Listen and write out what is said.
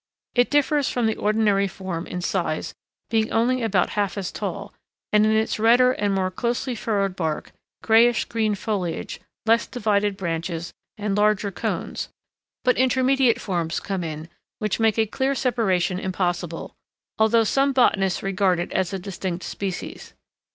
It differs from the ordinary form in size, being only about half as tall, and in its redder and more closely furrowed bark, grayish green foliage, less divided branches, and larger cones; but intermediate forms come in which make a clear separation impossible, although some botanists regard it as a distinct species.